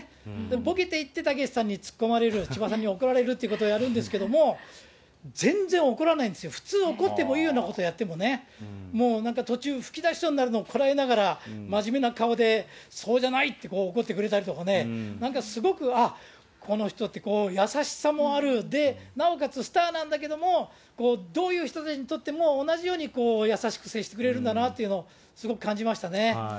ぼけていって、たけしさんに突っ込まれる、千葉さんに怒られるということをやるんですけれども、全然怒らないんですよ、普通怒ってもいいようなことをやってもね、もうなんか途中、吹き出しそうになるのをこらえながら、まじめな顔で、そうじゃないって怒ってくれたりとかね、なんかすごく、ああ、この人って優しさもある、なおかつスターなんだけれども、どういう人たちにとっても同じように優しく接してくれるんだなっていうのをすごく感じましたね。